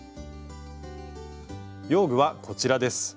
用具はこちらです。